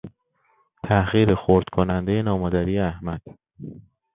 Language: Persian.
تحقیر خرد کنندهی نامادری احمد